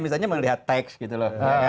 misalnya melihat teks gitu loh